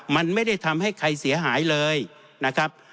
มันไม่ได้ทำให้ใครเสียหายเลยนะครับ